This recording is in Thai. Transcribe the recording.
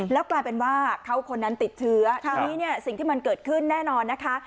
แล้วกลายเป็นว่าเขาคนนั้นติดเชื้อทีนี้เนี่ยสิ่งที่มันเกิดขึ้นแน่นอนนะคะ